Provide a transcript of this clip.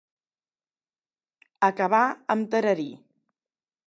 Acabar amb tararí.